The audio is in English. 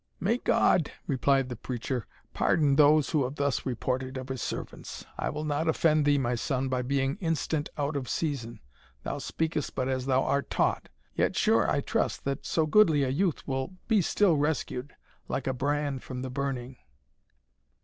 "May God," replied the preacher, "pardon those who have thus reported of his servants! I will not offend thee, my son, by being instant out of season thou speakest but as thou art taught yet sure I trust that so goodly a youth will be still rescued, like a brand from the burning."